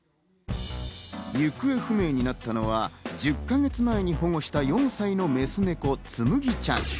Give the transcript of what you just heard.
行方不明になったのは１０か月前に保護した４歳のメスの子・つむぎちゃん。